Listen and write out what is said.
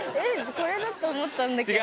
これだと思ったんだけど。